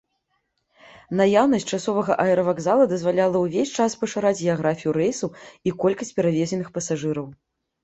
Наяўнасць часовага аэравакзала дазваляла ўвесь час пашыраць геаграфію рэйсаў і колькасць перавезеных пасажыраў.